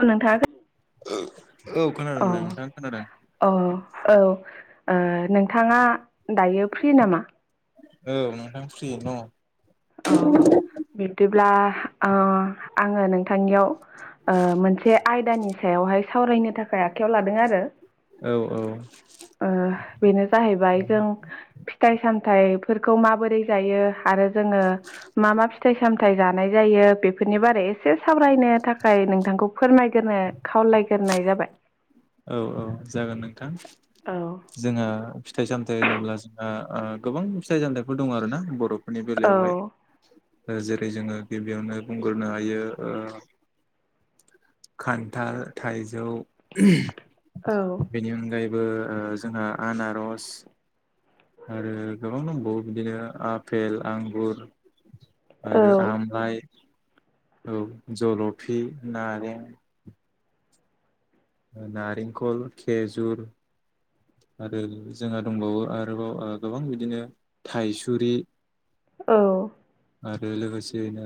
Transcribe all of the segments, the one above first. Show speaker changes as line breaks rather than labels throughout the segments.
औ नोंथाङा
औ
अ
खोनादों नोंथां खोनादों।
अ औ ओ नोंथाङा दायो फ्रि नामा?
औ नोंथां फ्रियैनो दङ।
औ बिबदिब्ला ओ आङो नों थांनियाव मोनसे आयदानि सायावहाय सावरायनो थाखाय आखायाव लादों आरो।
औ औ
बेनो जाहैबाय जों फिथाइ सामथाय फोरखौ माबोरै जायो आरो जोङो मा मा फिथाइ? सामथाय जानाय जायो बेफोरनि बारै एसे सावरायनो थाखाय नोंथांखौ फोरमायग्रोनो खावलाय गिरनाय जाबाय।
औ औ जागोन नोंथां
औ
जोंहा फिथाइ साम फथाय होनोब्ला जोंहा गोबां फिथाइ जामथाइफोर दं आर ना बर'फोरनि
औ
बेलायावहाय जेरै जोङो गिबियावनो बुंग्रोनो हायो। खान्थाल, थाइजौ
औ
बेनि अनगायैबो जोंहा आनारस आरो गोबां दंबावो बिदिनो आफपेल, आंगुर, आरो
औ
आमलाय औ जल'फि नारें। नारेंखल, खेजुर, आरो जोंहा दंबावो आरोबाव गोबां बिदिनो थाइसुरि
औ
आरो लोगोसेैनो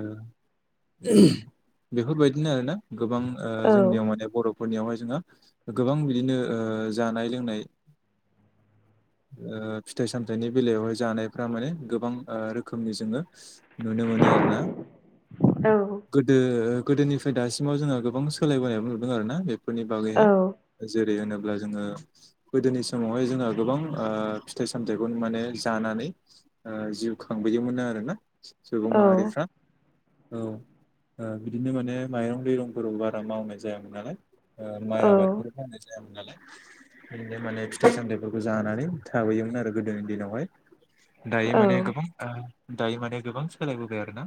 बेफोरबायदिनो आरोना? गोबां जोंनियाव माने बर'फोरनियावहाय जोंहा गोबां बिदिनो जानाय लोंनाय। [inaudible] फिथाइ सामथायाइनि बेलायावहाय जानायफ्रा माने गोबां रोखोमनि जोङो नुनो मोनो आरो ना गोदो गोदोनिफ्राय दासिमाव जोङो गोबां सोलायबोनायबो नुदों आर ना बेफोरनि
औ
बागैहाय जेरै होनो अब्ला जोङो गोदोनि समावहाय जोङो गोबां फिथाइ सामथाइखौ माने जानानै जिउ खाङो बोयोमोन आरोना सुबुं
औ
माहारिफ्रा। औ बिदिनो माने माइरं दैरंफोर बारा मावनाय जायामोन नालाय। ओ माइ आबादफोर
औ
मावनाय जायामोन नालाय। बिदिनो माने फिथाइ सामथाइफोरखौ जानानै थाबोयोमोन आरो गोदोनि दिनावहाय। दायो माने गोबां दायो माने गोबां सोलायबोबाय आरो ना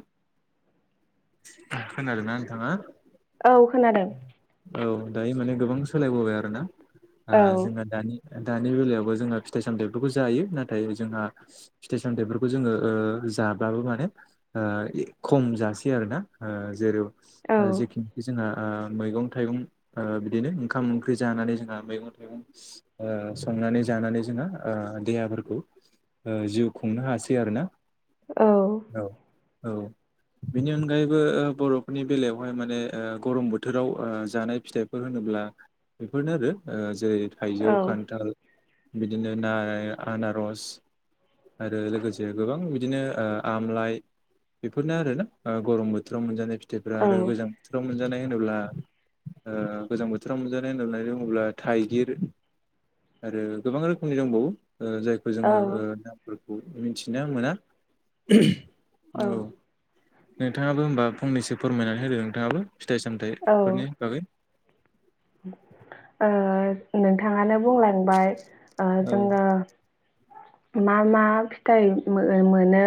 खोनादोंना नोंथाङा?
औ खोनादों
औ दायो माने गोबां सोलायबोबाय आरोना?
औ
आ जोंना दानि दानि बेलायावबो जोंहा फिथाइ सामथायफोरखौ जायो नाथाय जोंहा फिथाइ सामथायाइफोरखौ जोङो ओ जाबाबो माने ओ ए खम जासै आरोना ओ जेराव
औ
ओ जेखिनिखि जोंहा ओ मैगं थाइगं ओ बिदिनो ओंखाम ओंख्रि जानानै जोंहा मैगं ओ संनानै जानानै जोंहा ओ देहाफोरखौ ओ जिउ खुंनो हासै आरो ना?
औ
औ बेनि अनगायैबो ओ बर'फोरनि बेलायावहाय माने ओ गरम बोथोराव ओ जानाय फिथाइफोर होनो। अब्ला बेफोरनो आरो ओ जेरै थाइजौ
औ
खान्थाल बिदिनो नार आनारस आरो लोगोसे गोबां बिदिनो ओ आमलाइ बेफोरनो आरो ना ओ गरम बोथोराव मोनजानाय - फिथाइफ्रा आरो गोजां बोथोराव मोनजानाय होनोब्ला ओ गोजां बोथोराव मोनजानाय होननानै बुङोब्ला थाइगिर आरो गोबां रोखोमनि दंबावो ओ जायखौ जोङो ओ नामफोर मिथिना मोना औ नोंथाङाबो होमबा फंनैसो फोरमायनानै होदो नोंथाङाबो फिथाइ सामथाइ फोरनि बागै।
ओ नोंथाङानो बुंलांबाय ओ
औ
जोङो मा मा फिथाइ मोनो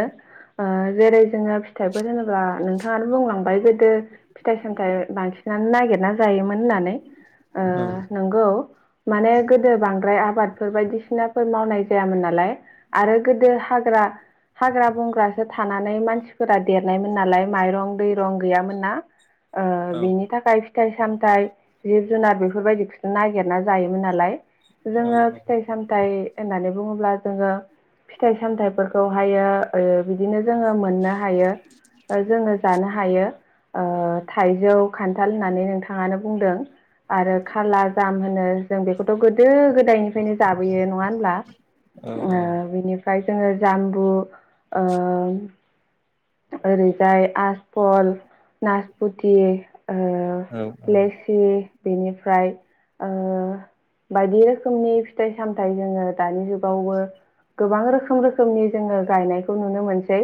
ओ जेरै जोङो फिथाइफोर होनोब्ला नोंथाङानो बुंलांबाय गोदो फिथाइ-सामथाइ बांसिनानो नागिरना जायोमोन होननानै ओ
औ
नंगौ माने गोदो बांद्राय आ आबादफोर बायदिसिनाफोर मावनाय जायामोन नालाय आरो गोदो हाग्रा हाग्रा-बंग्रासो थानानै मानसिफोरा देरनायमोन नालाय माइरं दैरं गैयामोन ना। ओ
औ
बिनि थाखाय फिथाइ सामथाइ जिब जुनार बेफोरबायदि नागिरना जायोमोन नालाय
औ
जोङो फिथाइ सामथाइ होननानै बुङोब्ला जोङो फिथाइ सामथाइफोरखौहायो ओ बिदिनो जोङो मोननो हायो। जोङो जानो हायो। ओ थाइजौ, खान्थाल होननानै नोंथाङानो बुंदों। आरो खाला जाम होनो जों बेखौथ' गोदो गोदायनिफ्रायनो जाबोयो नङा होनब्ला?
औ
ओ बिनिफ्राय जोङो जामबु ओ ओरैजाय आसफल, नासपुथि ओ
औ
लेसि बेनिफ्राय ओ बायदि रोखोमनि फिथाइ-सामथाइ जोङो दानि जुग खौबो गोबां रोखोम रोखोमनि जोङो गायनायखौ नुनो मोनसै।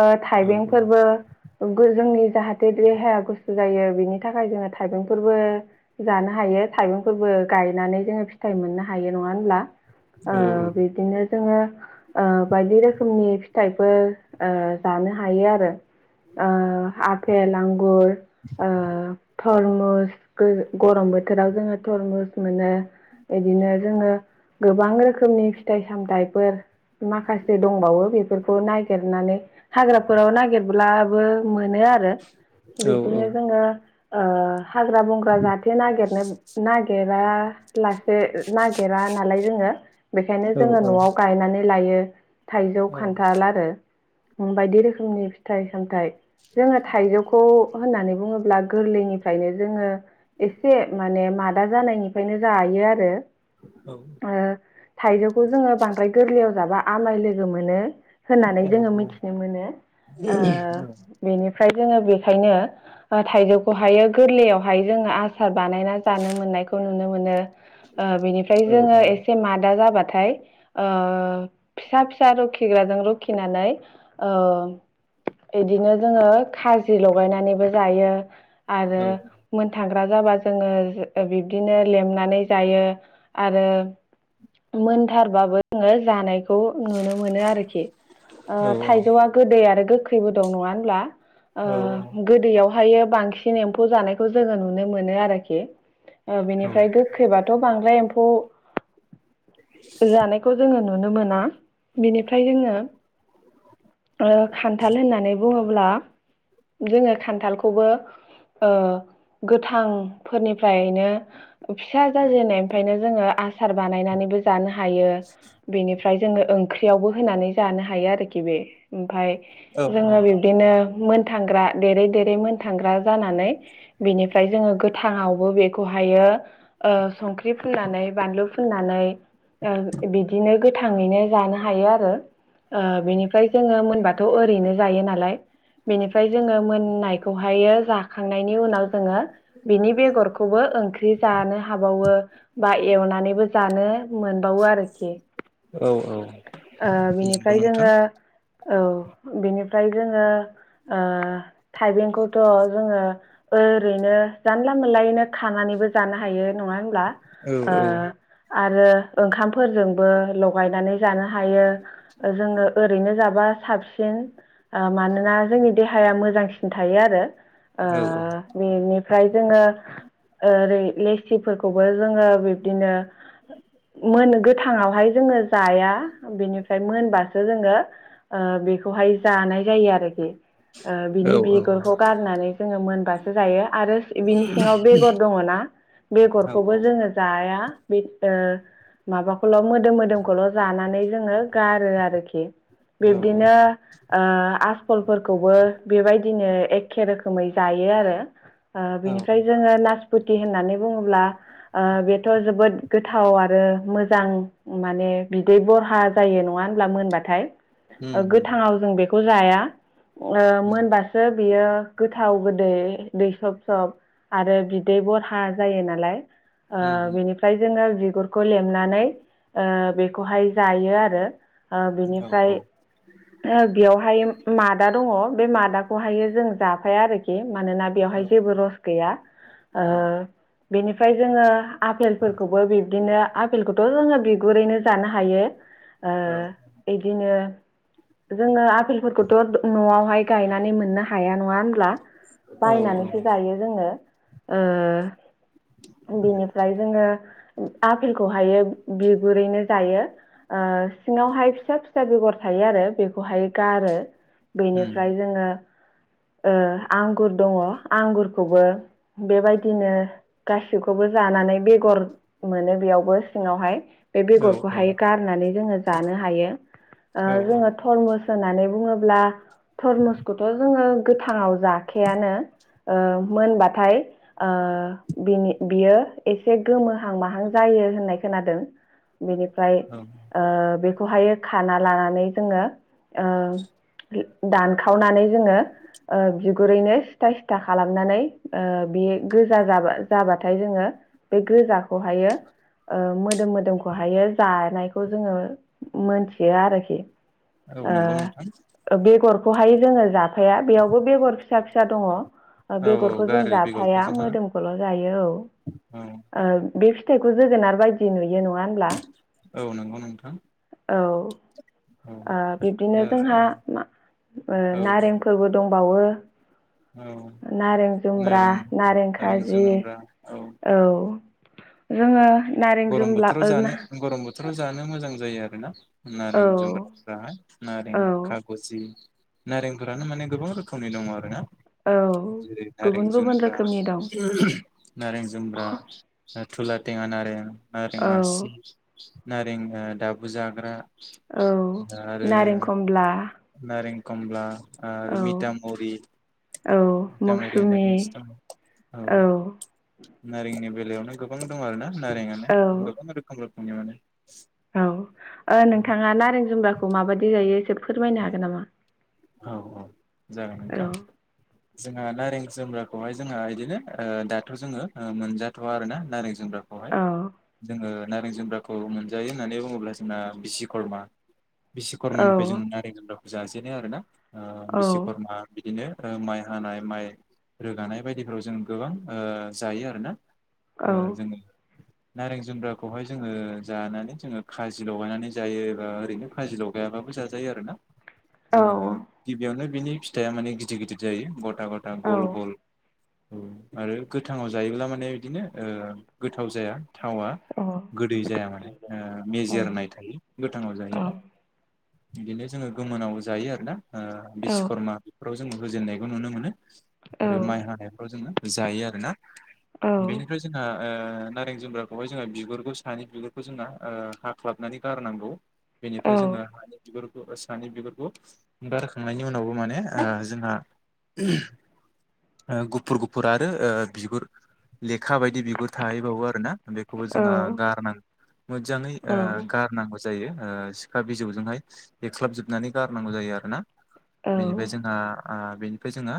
ओ
औ
थाइबें फोरबो जोंनि जाहाथे देहाया गुसु जायो बिनि थाखाय जोङो थाइबेंफोरबो जानो हायो। बे थायबें फोरबो गायनानै जोङो फिथाइ मोननो हायो नङा होनोमब्ला?
औ
बिदिनो जोङो ओ बायदि रोखोमनि फिथाइफोर ओ जानो हायो आरो आ आपेल, आंगुर ओ थरमुस गो गरम बोथोराव जोङो थरमुस मोनो बिदिनो जोङो गोबां रोखोमनि फिथाइ-सामथाइफोर माखासे दंबावो बेफोरखौ नागिरनानै हाग्राफोराव नागिरब्लाबो मोन मोनो आरो बिदिनो जोङो ओ हाग्रा-बंग्रा जाहाथे नागिरनो नागिरा लासे नागिरा नालाय जोङो। बेखायनो जोङो
औ
न'आव गायनानै लायो थाइजौ,
औ
खान्थाल आरो। बायदि रोखोमनि फिथाइ सामथ जोङो थाइजौ खौ होननानै बुङोब्ला गोरलैनिफ्रायनो जोङो एसे माने मादा जानायनिफ्रायनो जायो आरो।
औ औ
ओ थाइजौखौ जोङो बांद्राय गोरलैयाव जाबा आमाय लोगो मोनो
औ
होननानै जोङो
नंगौ
मिथिनो मोनो ओ बेनि फ्राय जोङो बेखायनो ओ थाइजौखौहायो गोरलैयावहाय जोङो आसार बानायना जानो मोननाय खौ नुनो मोनो ओ बेनिफ्राय जोङो एसे माद दा जाबाथाय ओ फिसा फिसा रुखिग्राजों रुखिनानै ओ बिदिनो जोङो खाजि लगायनानैबो जायो आरो मोनथां ख्रा जाबा जोङो बिब्दिनो लेमनानै जायो आरो मोनथारबाबो जोङो जानाय खौ नुनो मोनो आरोखि थाइजौआ गोदै आरो गोखैबो दं नङा होनब्ला ओ गोदैयाव ओमफायो बांसिन एम्फौ जानायखौ जोङो नुनो मोनो आरोखि बेनिफ्राय गोखैबाथ' बांद्राय एम्फौ जानायखौ जोङो नु नुनो मोना बिनिफ्राय जोङो ओ खान्थाल होननानै बुङोब्ला जोङो खान्थालखौबो ओ गोथांफोरनिफ्रायनो फिसा जाजेननायनिनायनिफ्रायनो जोङो आसार बानायनानैबो जानो हायो बेनिफ्राय जोङो ओं ख्रियावबो होनानै जानो हायो आरोखि बे ओमफाय जोङो बिब्दिनो मोनथांग्रा देरै देरै मोनथांग्रा जानानै बिनिफ्राय जोङो गोथाङावबो बेखौहाय हायो ओ संख्रि फुननानै बानलु फुन फोननानै बिदिनो गोथाङैनो जानो हायो आरो ओ बिनिफ्राय जोङो मोनबाथ' ओरैनो जायो नालाय बेनिफ्राय जोङो मोननायखौहायो जाखांनायनि उनाव जोङो बिनि बेगरखौबो ओंख्रि जानो हाबावो बा एवनानैबो जानो मोनबावो आरोखि
औ औ
ओ बिनिफ्राय जोङो औ बिनिफ्राय जोङो ओ थाइबेंखौथ' जोङो ओरैनो जानला मोनलायैनो खानानै बो जानो हायो नङा होमब्ला?
औ औ
आरो ओंखामफोरजोंबो लगायनानै जानो हायो जोङो ओरैनो जाब बा साबसिन ओ मानोना जोंनि देहाया मोजांसिन थायो आरो ओ बेनिफ्राय जोङो ओरै लेसिफोरखौबो जोङो बिब्दिनो मोनो गोथाङावहाय जोङो जाया बेनिफ्राय मोनबासो जोङो ओ बेखौहाय जानाय जायो आरोखि ओ बिनि बिगुरखौ गारनानै जोङो मोनबासो जायो आरो बिनि सिङाव बेगर दङ ना बेगरखौबो जोङो जाया बे ओ माबाखौल' मोदोम मोदोमखौल' जानानै जोङो गारो आरोखि बिब्दिनो ओ आस फलफोरखौबो बेबायदिनो एखे रोखोमै जायो आरो ओ बिनिफ्राय जोङो नास फुथि होननानै बुङोब्ला ओ बेथ' जोबोद गोथाव आरो मोजां माने बिदै बरहा थार जायो नङा होनब्ला मोनबाथाय गोथाङाव जों बेखौ जाया ओ मोनबासो बियो गोथाव गोदै दै सब सब आरो बिदै बरहा जायो नालाय ओ बेनिफ्राय जोङो बिगुरखौ लेमनानै ओ बेखौहाय जायो आरो बिनिफ्राय ओ बेयावहाय मादा दङ बे मादाखौहायो जों जाफाया आरोखि बे मानोना बेयावहाय जेबो रस गैया ओ बेनि ओमफ्राय जोङो आफेलफोरखौबो बिब्दिनो आफेलखौथ' जोङो बिगुरैनो जानो हायो ओ इदिनो जोङो आपेलफोरखौथ' न'यावहाय गायनानै माननो हा हाया नङा होनब्ला बायनानैसो जायो जोङो ओ बेनिफ्राय जोङो आफेलखौहायो बिगुरैनो जायो। ओ सिङावहाय फिसा फिसा बेगर थायो आरो बेखौहाय गारो बेनिफ्राय जोङो ओ आंगुर दङ आंगुरखौबो बेबायदिनो गासिखौबो जानानै बेगर मोनो बेयावबो सिङावहाय बे बेगरखौहाय गारनानै जोङो जानो हायो ओ जोङो थरम मस होननानै बुङोब्ला थरमुसखौथ' जोङो गोथाङाव जाखेआनो। ओ मोनबाथाय ओ बिनि बियो एसे गोमोहां माहां जाय यो होननाय खोनादों बेनिफ्राय ओ बेखौहायो खाना लानानै जोङो ओ दानखावनानै जोङो ओ बिगुरैनो सिथा सिथा खालामनानै ओ बे गोजा जाबा जाबाथाय जोङो बे गोजाखौहायो ओ मोदोम मोदोमखौहायो जानायख खौ जोङो मोनथियो आरोखि
नोंथां
ओ बेगर खौहाय जोङो जाफाया बेयावबो बेगर फिसा फिसा दङ
औ
बेगरखौ जों
गारो बेगरखौ
जाफाया
जोंहा
मोदोमखौल' जायो औ।
औ
ओ बे फिथाइखौ जोगोनार बायदि नुयो नङा होमब्ला?
औ नंगौ नोंथां
औ ओ
औ
बिब्दिनो
दा
जोंहा मा ओ
औ
नारेंफोरबो दंबावो।
औ
नारें जुम्ब्रा
नारें
नारें खाजि औ जोङो नारें
गरम
जुमब्ला
बोथोराव
ओ ना
जानो गरम बोथोराव जानो मोजां जायो आरोना नारें
औ
जुम्ब्राफोराहाय। नारें
औ
खागजि नारेंफोरानो माने गोबां रोखोमनि दङ आरोना।
औ
जेरैे
गुबुन
नारें
गुबुन
जुम्ब्रा,
रोखोमनि दं
नारें जुम्ब्रा, थुला थेङा नारें, नारें
औ
आसि, नारें ओ दाबु जाग्रा
औ नारें खमब्ला
कमब्ला आरो मिथामरि
औ
दांवरि होननाय
मौसुमि
मोनसे थाबावो औ नारेंनि बेलायावनो गोबां दं आरो ना नारेंआनो
औ
गोबां रोखोम रोखोमनि माने।
औ ओ नोंथाङा नारें जुम्ब्राखौ माबायदि जायो फोरमायनो हागोन नामा?
औ औ जागोन
औ
नोंथां जोंहा नारें जु जुम्ब्राखौहाय जोंहा बिदिनो ओ दाथ' जोङो ओ मोनजाथ'आ आरो ना नारें जुमग्राखौहाय
औ
जोङो नारें जुम्ब्राखौ मोनजायो होननानै बुङोब्ला जोंना बिस्वकर्मा
औ
बिश्वकर्मानिफ्राय जों नारें जुम्ब्राखौहाय जाजेनो आरो ना
औ
बिश्र्विकर्मा बि बिदिनो ओ माइ हानाय माइ रोगानाय बायदिफोराव जों गोबां ओ जायो आरोना।
औ
ओ
औ
जोङो नारें जुम्ब्राखौहाय जोङो जानानै जोङो खाजि लगायनानै जायो एबा ओरैनो खाजि लगायाबाबो जाजायो आरोना।
औ औ
फियावनो बिनि फिथाइया माने गिदिर गिदिर जायो गथा गथा गल गल। औ आरो गोथाङाव जायोब्ला माने बिदिनो ओ गोथाव जाया। थावा गोदै जाया माने ओ मेजेरनाय थायो गोथाङाव
औ
जायोबा। बिदिनो जोङो गोमोनाव जायो आरोना ओ
औ
बिस्वकर्मा बेफोराव जोङो होजेननायखौ नुनो मोनो।
औ
आरो माइ हानायफ्राव जोङो जायो आरोना बेनिफ्राय जोंहा ओ नारें जुमब्राखौहाय जोंहा बिगुरखौ ओ सानि बिगुरखौ जोंना हाख्लाबनानै गारनांगौ। बेनिफ्राय जोङो हानि सानि बिगारखौ सानि बिगुरखौ गारखांनायनि उनावबो माने ओ जोंहा ओ गुफुर गुफुर आरो ओ बिगुर लेखा बायदि बिगुर थाहैबावो आरोना बेखौबो
औ
जोंहा गारनांगौ मोजाङै
औ
ओ गारनांगौ जायो ओ सिखा बिजौजोंहाय एरख्लाबजोबनानै गारनांगौ जायो आरो रोना बेनिफ्राय जोंहा आ बेनिफ्राय जोंहा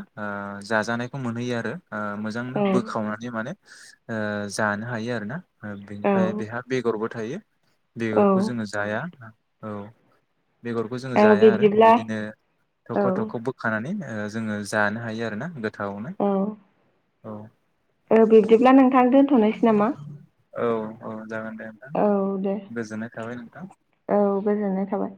जाजानायखौ मोनहैयो आरो। ओ मोजांनो
औ
बोखावनानै माने आ जानो हायो आरो ना। बेनिफ्राय बेहा बेगरबो थायो
औ
बेगरखौ जोङो जाया औ बेगरखौ जोंङो
औ
जाया आरो
बिब्दिब्ला
बिदिनो
औ
थख' थख' बोखानानै ओ जोङो जानो हायो आरो ना गोथावनो
औ
औ
बिब्दिब्ला नोंथां दोनथ'नोसै नामा?
औ औ जागोन दे नोंथां
औ दे
गोजोननाय थाबाय नोंथां।
औ गोजोननाय थाबाय